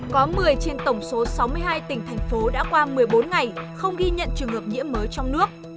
có một mươi trên tổng số sáu mươi hai tỉnh thành phố đã qua một mươi bốn ngày không ghi nhận trường hợp nhiễm mới trong nước